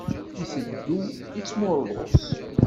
Iteddu, ittmuṛḍus.